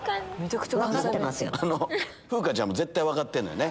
風花ちゃん絶対分かってるよね。